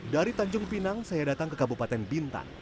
dari tanjung pinang saya datang ke kabupaten bintan